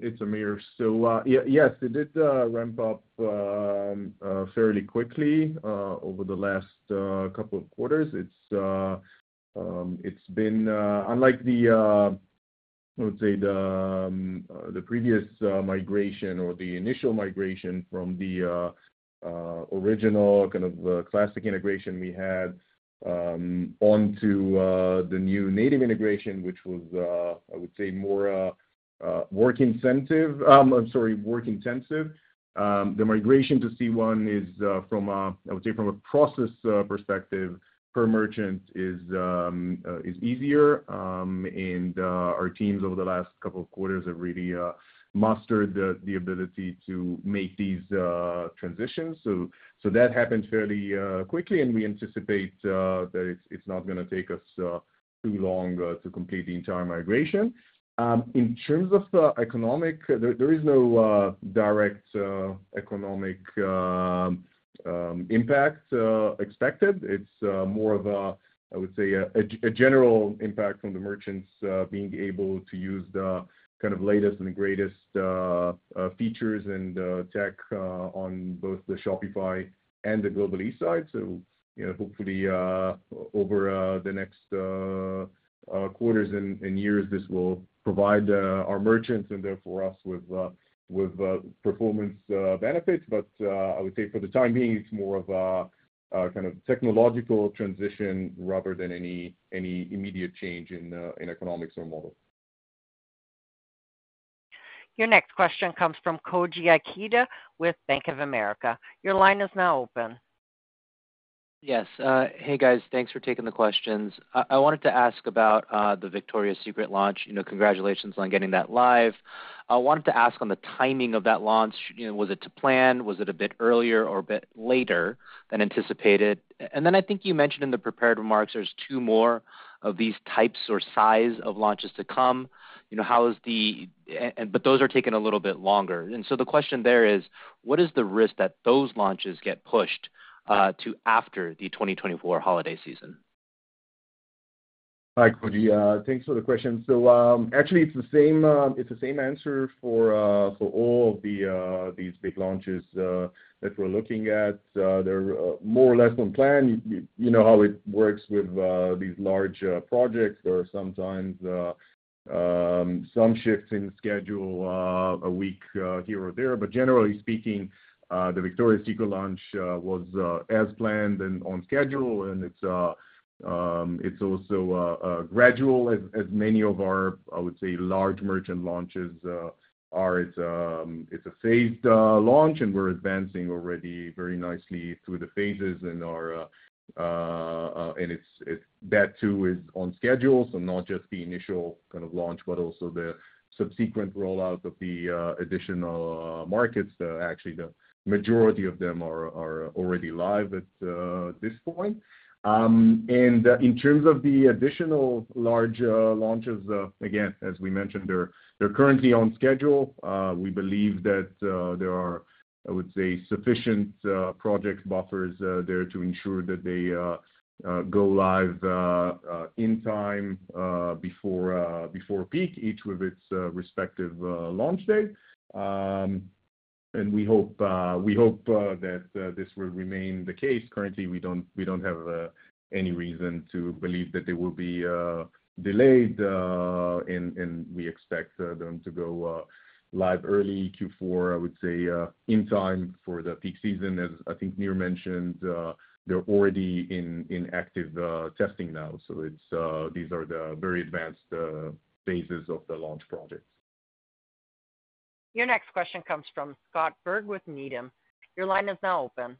it's Amir. So, yes, it did ramp up fairly quickly over the last couple of quarters. It's, it's been unlike the... I would say the previous migration or the initial migration from the original kind of classic integration we had onto the new native integration, which was, I would say more work incentive - I'm sorry, work intensive. The migration to C1 is from a, I would say from a process perspective per merchant is easier. And our teams over the last couple of quarters have really mastered the ability to make these transitions. So that happened fairly quickly, and we anticipate that it's not gonna take us too long to complete the entire migration. In terms of the economic, there is no direct economic impact expected. It's more of a, I would say, a general impact from the merchants being able to use the kind of latest and greatest features and tech on both the Shopify and the Global-e side. So, you know, hopefully over the next quarters and years, this will provide our merchants, and therefore us, with performance benefits. But I would say for the time being, it's more of a kind of technological transition rather than any immediate change in economics or model. Your next question comes from Koji Ikeda with Bank of America. Your line is now open. Yes. Hey, guys, thanks for taking the questions. I, I wanted to ask about the Victoria's Secret launch. You know, congratulations on getting that live. I wanted to ask on the timing of that launch, you know, was it to plan? Was it a bit earlier or a bit later than anticipated? And then I think you mentioned in the prepared remarks there's 2 more of these types or size of launches to come. You know, how is the... And but those are taking a little bit longer. And so the question there is, what is the risk that those launches get pushed to after the 2024 holiday season? Hi, Koji, thanks for the question. So, actually, it's the same, it's the same answer for, for all of the, these big launches, that we're looking at. They're more or less on plan. You know how it works with, these large, projects. There are sometimes, some shifts in schedule, a week, here or there. But generally speaking, the Victoria's Secret launch, was, as planned and on schedule, and it's, it's also, gradual as, as many of our, I would say, large merchant launches, are. It's, it's a phased, launch, and we're advancing already very nicely through the phases and are, and it's, that, too, is on schedule. So not just the initial kind of launch, but also the subsequent rollout of the additional markets. Actually, the majority of them are already live at this point. And in terms of the additional large launches, again, as we mentioned, they're currently on schedule. We believe that there are, I would say, sufficient project buffers there to ensure that they go live in time before peak, each with its respective launch date. And we hope that this will remain the case. Currently, we don't have any reason to believe that they will be delayed, and we expect them to go live early Q4, I would say, in time for the peak season. As I think Nir mentioned, they're already in active testing now, so these are the very advanced phases of the launch project. Your next question comes from Scott Berg with Needham. Your line is now open.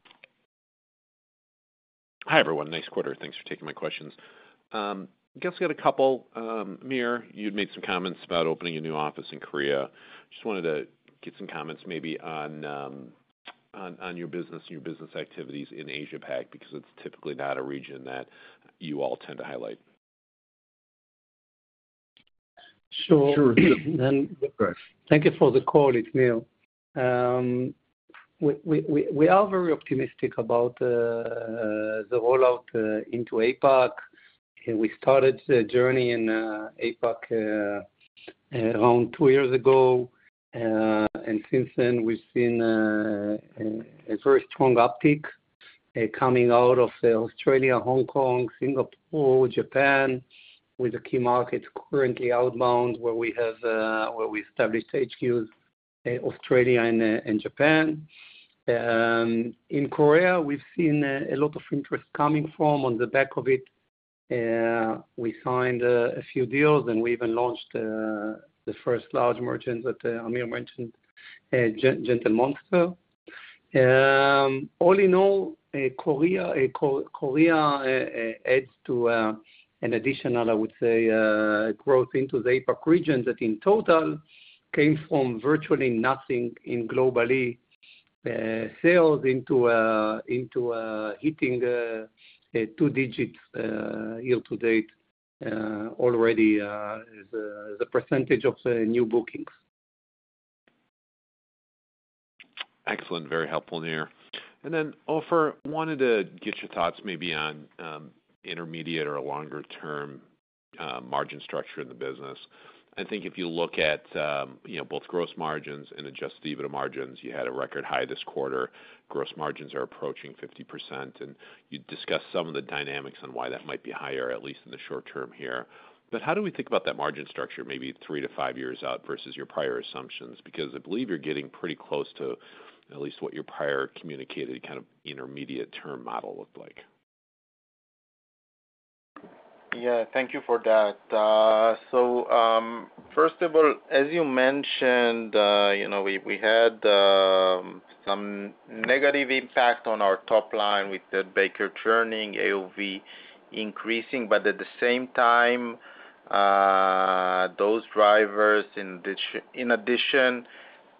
Hi, everyone. Nice quarter. Thanks for taking my questions. I guess I got a couple. Nir, you'd made some comments about opening a new office in Korea. Just wanted to get some comments maybe on your business activities in Asia Pac, because it's typically not a region that you all tend to highlight. Sure. Sure. Thank you for the call. It's Nir. We are very optimistic about the rollout into APAC. We started the journey in APAC around two years ago, and since then we've seen a very strong uptick coming out of Australia, Hong Kong, Singapore, Japan, with the key markets currently outbound, where we established HQs in Australia and Japan. In Korea, we've seen a lot of interest coming from on the back of it. We signed a few deals, and we even launched the first large merchant that Amir mentioned, Gentle Monster. All in all, Korea adds to an additional, I would say, growth into the APAC region, that in total came from virtually nothing in global sales into hitting a two-digit year to date already as a percentage of the new bookings. Excellent. Very helpful, Nir. And then, Ofer, wanted to get your thoughts maybe on intermediate or longer term, Margin structure in the business. I think if you look at, you know, both gross margins and Adjusted EBITDA margins, you had a record high this quarter. Gross margins are approaching 50%, and you discussed some of the dynamics on why that might be higher, at least in the short term here. But how do we think about that margin structure, maybe three to five years out versus your prior assumptions? Because I believe you're getting pretty close to at least what your prior communicated kind of intermediate-term model looked like. Yeah, thank you for that. So, first of all, as you mentioned, you know, we had some negative impact on our top line with Ted Baker churning, AOV increasing. But at the same time, those drivers, in addition, in addition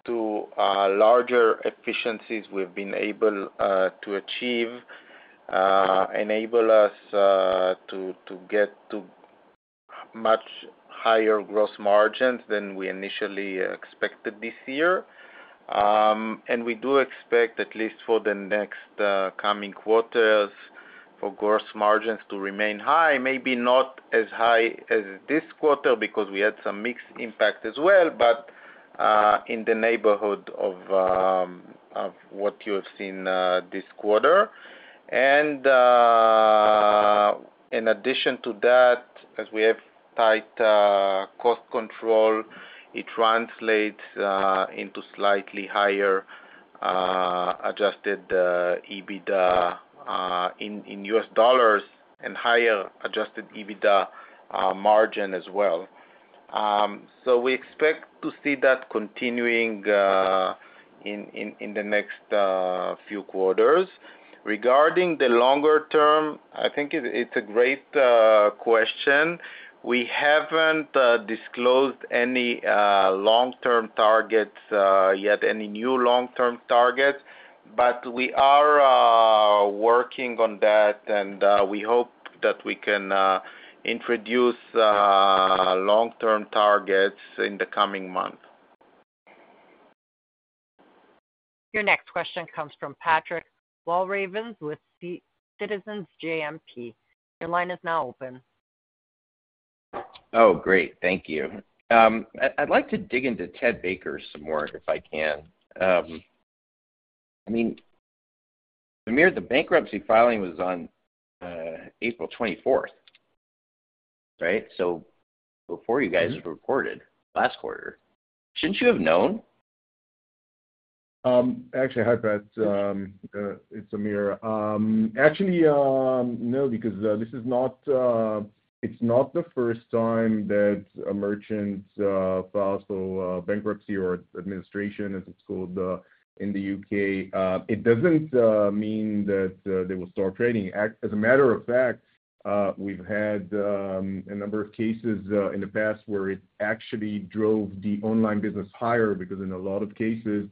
to larger efficiencies we've been able to achieve enable us to get to much higher gross margins than we initially expected this year. And we do expect, at least for the next coming quarters, for gross margins to remain high, maybe not as high as this quarter because we had some mixed impact as well, but in the neighborhood of what you have seen this quarter. In addition to that, as we have tight cost control, it translates into slightly higher adjusted EBITDA in U.S. dollars and higher adjusted EBITDA margin as well. So we expect to see that continuing in the next few quarters. Regarding the longer term, I think it's a great question. We haven't disclosed any long-term targets yet, any new long-term targets, but we are working on that, and we hope that we can introduce long-term targets in the coming months. Your next question comes from Patrick Walravens with Citizens JMP. Your line is now open. Oh, great. Thank you. I'd, I'd like to dig into Ted Baker some more, if I can. I mean, Amir, the bankruptcy filing was on April 24th, right? So before you guys reported last quarter, shouldn't you have known? Actually, hi, Pat. It's Amir. Actually, no, because this is not, it's not the first time that a merchant filed for bankruptcy or administration, as it's called, in the UK. It doesn't mean that they will stop trading. As a matter of fact, we've had a number of cases in the past where it actually drove the online business higher, because in a lot of cases,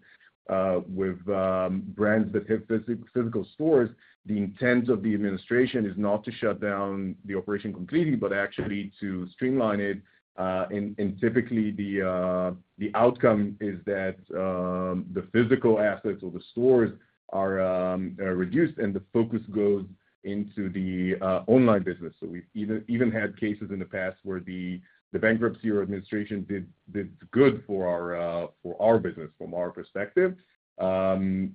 with brands that have physical stores, the intent of the administration is not to shut down the operation completely, but actually to streamline it. And typically, the outcome is that the physical assets or the stores are reduced, and the focus goes into the online business. So we've even had cases in the past where the bankruptcy or administration did good for our business from our perspective. The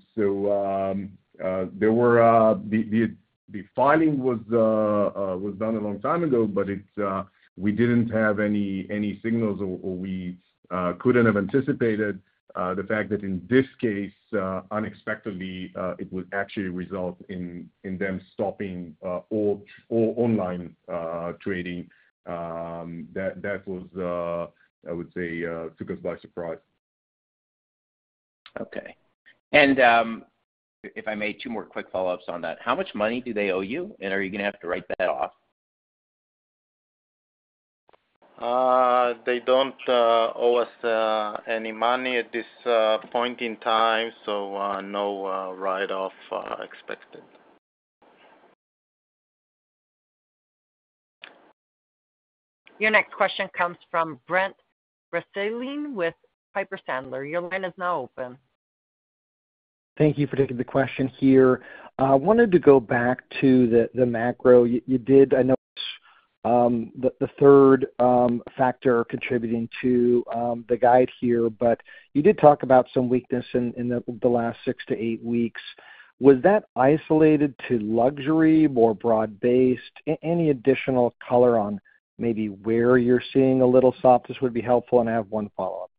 filing was done a long time ago, but we didn't have any signals or we couldn't have anticipated the fact that in this case, unexpectedly, it would actually result in them stopping all online trading. That, I would say, took us by surprise. Okay. If I may, two more quick follow-ups on that. How much money do they owe you, and are you going to have to write that off? They don't owe us any money at this point in time, so no write-off expected. Your next question comes from Brent Bracelin with Piper Sandler. Your line is now open. Thank you for taking the question here. Wanted to go back to the macro. You did, I know, the third factor contributing to the guide here, but you did talk about some weakness in the last 6-8 weeks. Was that isolated to luxury, more broad-based? Any additional color on maybe where you're seeing a little softness would be helpful, and I have one follow-up.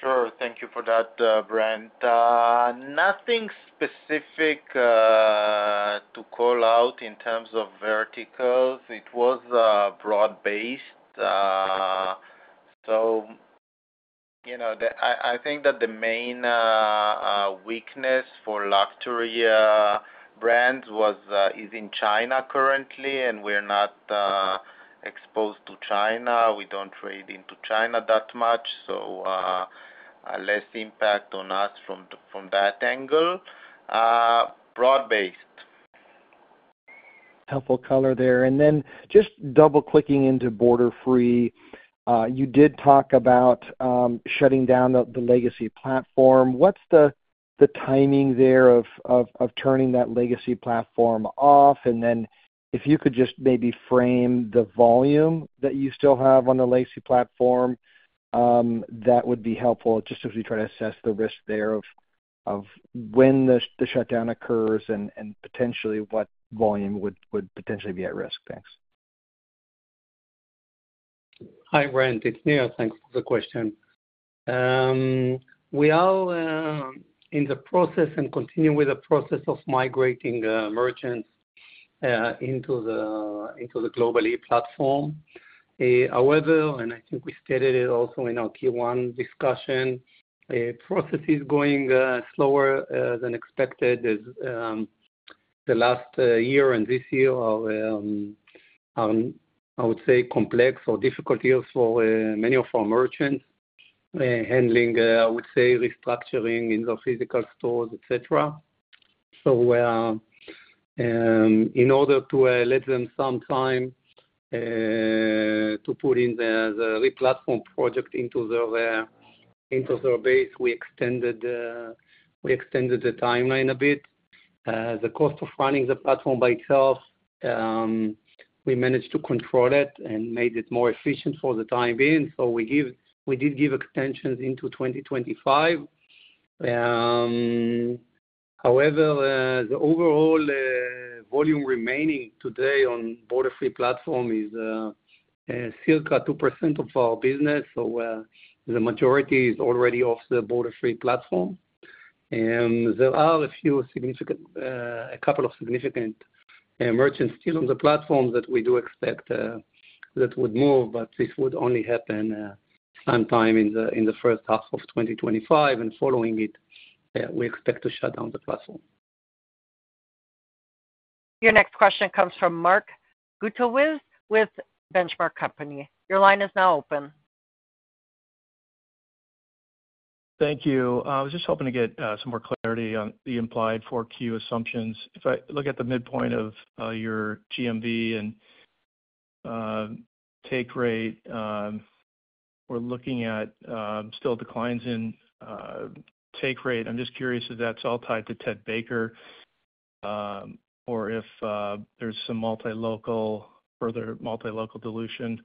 Sure. Thank you for that, Brent. Nothing specific to call out in terms of verticals. It was broad-based. So, you know, the—I think that the main weakness for luxury brands was, is in China currently, and we're not exposed to China. We don't trade into China that much, so, less impact on us from that angle. Broad-based. Helpful color there. And then just double-clicking into Borderfree, you did talk about, shutting down the, the legacy platform. What's the- ... the timing there of turning that legacy platform off, and then if you could just maybe frame the volume that you still have on the legacy platform, that would be helpful, just as we try to assess the risk there of when the shutdown occurs and potentially what volume would potentially be at risk. Thanks. Hi, Brent, it's Nir. Thanks for the question. We are in the process and continuing with the process of migrating merchants into the Global-e platform. However, and I think we stated it also in our Q1 discussion, process is going slower than expected as the last year and this year are I would say complex or difficult years for many of our merchants. Handling I would say restructuring in the physical stores, et cetera. So we are in order to lend them some time to put in the re-platform project into their base, we extended the timeline a bit. The cost of running the platform by itself, we managed to control it and made it more efficient for the time being, so we give—we did give extensions into 2025. However, the overall volume remaining today on Borderfree platform is still about 2% of our business, so the majority is already off the Borderfree platform. And there are a couple of significant merchants still on the platform that we do expect that would move, but this would only happen sometime in the first half of 2025, and following it, we expect to shut down the platform. Your next question comes from Mark Zgutowicz with Benchmark Company. Your line is now open. Thank you. I was just hoping to get some more clarity on the implied 4Q assumptions. If I look at the midpoint of your GMV and take rate, we're looking at still declines in take rate. I'm just curious if that's all tied to Ted Baker or if there's some multi-local, further multi-local dilution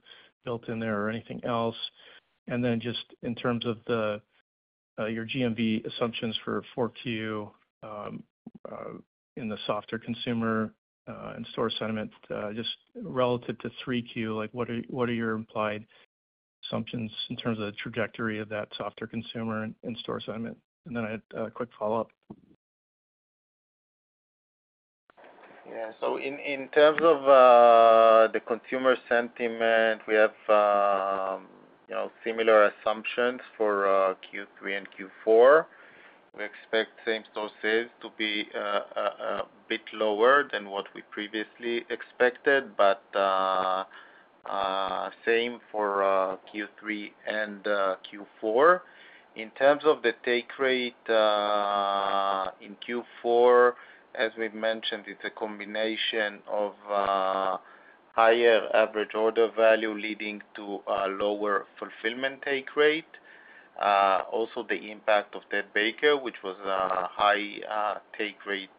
built in there or anything else? And then just in terms of your GMV assumptions for 4Q in the softer consumer in-store sentiment just relative to 3Q, like, what are what are your implied assumptions in terms of the trajectory of that softer consumer and in-store sentiment? And then I had a quick follow-up. Yeah. So in terms of the consumer sentiment, we have, you know, similar assumptions for Q3 and Q4. We expect same-store sales to be a bit lower than what we previously expected, but same for Q3 and Q4. In terms of the take rate, in Q4, as we've mentioned, it's a combination of higher average order value leading to a lower fulfillment take rate. Also the impact of Ted Baker, which was a high take rate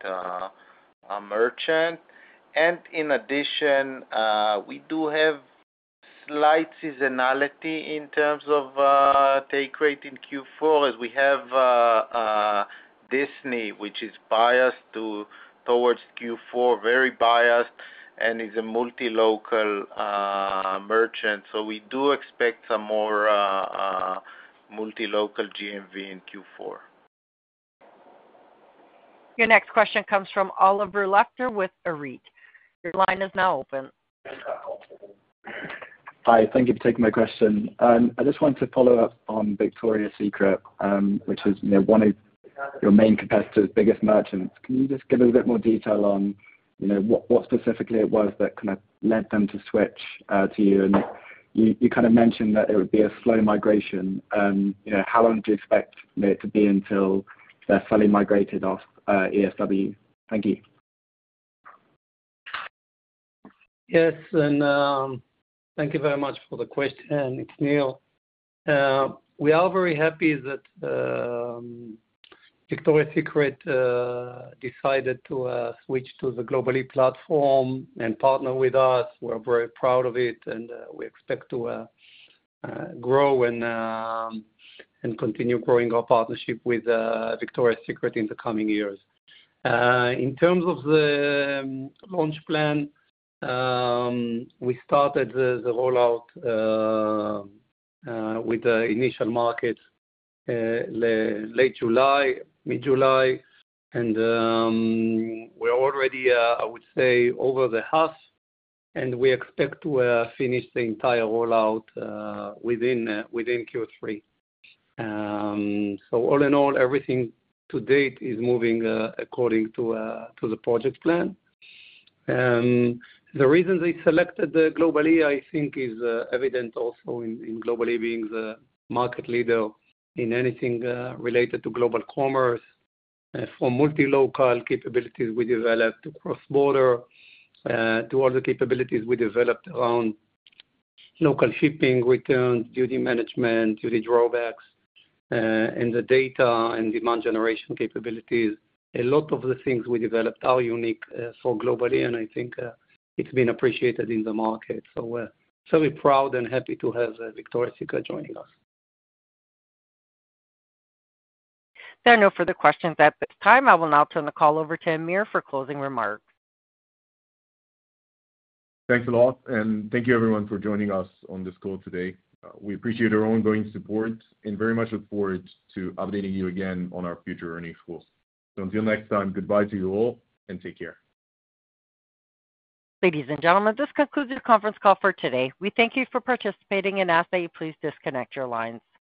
merchant. And in addition, we do have slight seasonality in terms of take rate in Q4, as we have Disney, which is biased towards Q4, very biased, and is a multi-local merchant. So we do expect some more multi-local GMV in Q4. Your next question comes from Oliver Lecter with Arete. Your line is now open. Hi, thank you for taking my question. I just wanted to follow up on Victoria's Secret, which is, you know, one of your main competitors, biggest merchants. Can you just give a little bit more detail on, you know, what specifically it was that kind of led them to switch to you? And you kind of mentioned that it would be a slow migration. You know, how long do you expect it to be until they're fully migrated off ESW? Thank you. Yes, and thank you very much for the question. It's Nir. We are very happy that Victoria's Secret decided to switch to the Global-e platform and partner with us. We're very proud of it, and we expect to grow and continue growing our partnership with Victoria's Secret in the coming years. In terms of the launch plan, we started the rollout with the initial market late July, mid-July, and we're already, I would say, over the half, and we expect to finish the entire rollout within Q3. So all in all, everything to date is moving according to the project plan. The reason they selected the Global-e, I think, is evident also in, in Global-e being the market leader in anything related to global commerce. From multi-local capabilities we developed, to cross-border, to all the capabilities we developed around local shipping, returns, duty management, duty drawbacks, and the data and demand generation capabilities. A lot of the things we developed are unique for Global-e, and I think it's been appreciated in the market. So we're certainly proud and happy to have Victoria's Secret joining us. There are no further questions at this time. I will now turn the call over to Amir for closing remarks. Thanks a lot, and thank you everyone for joining us on this call today. We appreciate your ongoing support and very much look forward to updating you again on our future earnings calls. So until next time, goodbye to you all and take care. Ladies and gentlemen, this concludes the conference call for today. We thank you for participating and ask that you please disconnect your lines.